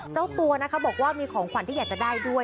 เจ้าตัวนะคะบอกว่ามีของขวัญที่อยากจะได้ด้วย